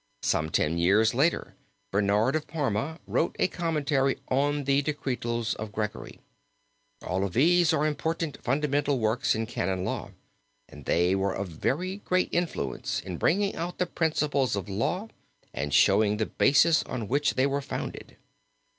Some ten years later Bernard of Parma wrote a commentary on the decretals of Gregory. All of these are important fundamental works in canon law, and they were of very great influence in bringing out the principles of law and showing the basis on which they were founded.